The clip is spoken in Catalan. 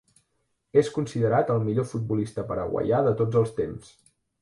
És considerat el millor futbolista paraguaià de tots els temps.